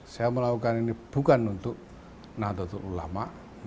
saya melakukan ini bukan untuk nahdlatul ulama